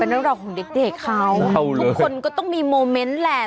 เรื่องราวของเด็กเขาทุกคนก็ต้องมีโมเมนต์แหละ